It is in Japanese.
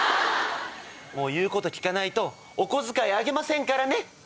言うこと聞かないとお小遣いあげませんからね。